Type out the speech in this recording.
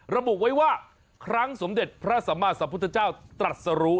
ระบุไว้ว่าครั้งสมเด็จพระสัมมาสัมพุทธเจ้าตรัสรู้